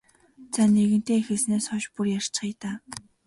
За нэгэнтээ эхэлснээс хойш бүр ярьчихъя даа.